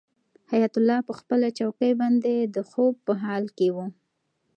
حیات الله په خپله چوکۍ باندې د خوب په حال کې و.